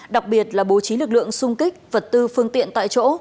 đặc biệt là bố trí lực lượng sung kích vật tư phương tiện tại chỗ